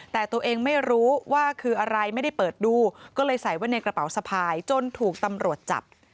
แต่ตัวเองไม่รู้ว่าคืออะไรไม่ได้เปิดดูก็เลยใส่ไว้ในกระเป๋าสะพายจนถูกตำรวจจับ